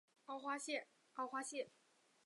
凹花蟹蛛为蟹蛛科花蟹蛛属的动物。